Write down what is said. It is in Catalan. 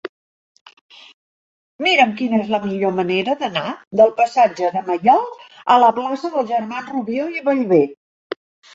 Mira'm quina és la millor manera d'anar del passatge de Maiol a la plaça dels Germans Rubió i Bellver.